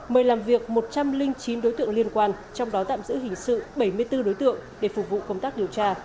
mời làm việc một trăm linh chín đối tượng liên quan trong đó tạm giữ hình sự bảy mươi bốn đối tượng để phục vụ công tác điều tra